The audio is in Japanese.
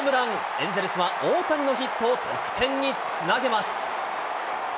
エンゼルスは大谷のヒットを得点につなげます。